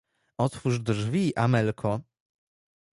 "otwórz drzwi, Amelko!"